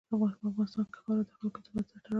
په افغانستان کې خاوره د خلکو د اعتقاداتو سره تړاو لري.